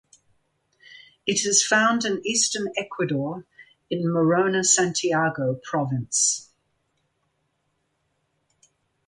It is found in eastern Ecuador in Morona Santiago province.